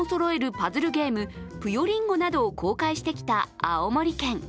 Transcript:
パズルゲーム「ぷよりんご」などを公開してきた青森県。